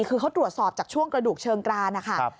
คือเขาตรวจสอบจากช่วงกระดูกเชิงกรานนะคะ